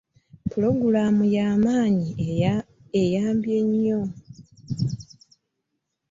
Pulogulamu ya mwanyi terimba eyambye nnyo.